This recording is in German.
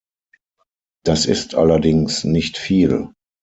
Das ist allerdings nicht viel.